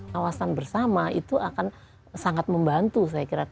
kawasan bersama itu akan sangat membantu saya kira